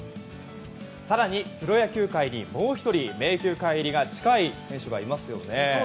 更に、プロ野球界にもう１人名球会入りが近い選手がいますよね。